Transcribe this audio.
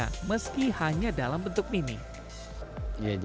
dan juga memperbaiki mobil yang terbaik untuk membuat mobil impiannya